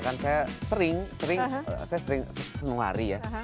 kan saya sering sering saya sering senuari ya